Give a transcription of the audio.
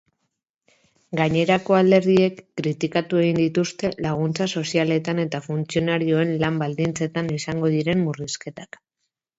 Gainerako alderdiek kritikatu egin dituzte laguntza sozialetan eta funtzionarioen lan-baldintzetan izango diren murrizketak.